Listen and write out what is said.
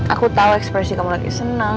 aku tau ekspresi kamu lagi seneng